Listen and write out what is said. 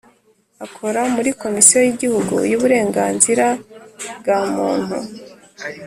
Akora muri Komisiyo y’Igihugu y’Uburengazira bwa Muntu